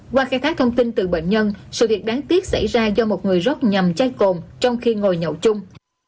qua khai thác thông tin từ bệnh nhân sự việc đáng tiếc xảy ra do một người rốc nhầm chai cồn trong khi ngồi nhậu chung